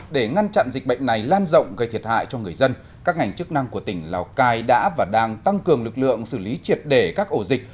để ngăn chặn dịch bệnh này lan rộng gây thiệt hại cho người dân các ngành chức năng của tỉnh lào cai đã và đang tăng cường lực lượng xử lý triệt để các ổ dịch